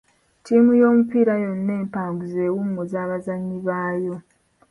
Ttiimu y'omupiira yonna empanguzi ewummuza abazannyi baayo.